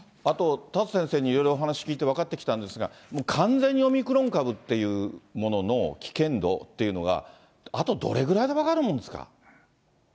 あと、田里先生にいろいろお話し聞いて分かってきたんですが、もう完全にオミクロン株っていうものの危険度っていうのが、あとどれぐらいで分かるもんですか？